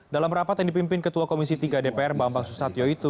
dalam rapat yang dipimpin ketua komisi tiga dpr bambang susatyo itu